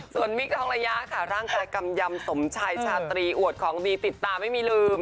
ส่วนมิคทองระยะค่ะร่างกายกำยำสมชัยชาตรีอวดของดีติดตาไม่มีลืม